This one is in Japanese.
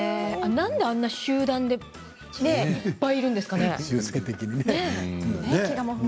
なんであんな集団でいっぱいいるんですかね。